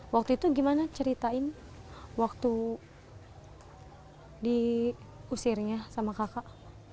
waktu itu gimana ceritain waktu diusirnya sama kakak